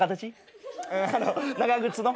あの長靴の。